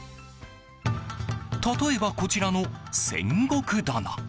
例えば、こちらの戦国棚。